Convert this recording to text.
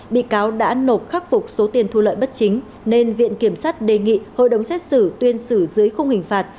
bị cáo đã nộp khắc phục số tiền thu lợi bất chính nên viện kiểm sát đề nghị hội đồng xét xử tuyên xử dưới khung hình phạt